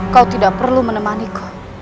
kau tidak perlu menemanku